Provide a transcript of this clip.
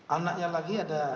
anaknya lagi ada